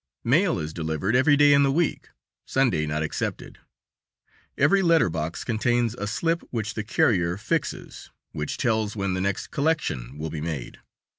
Mail is delivered every day in the week, Sunday not excepted. Every letter box contains a slip which the carrier fixes, which tells when the next collection will be made.